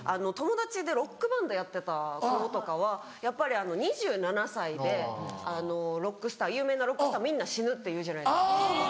友達でロックバンドやってた子とかはやっぱり２７歳でロックスター有名なロックスターみんな死ぬっていうじゃないですか。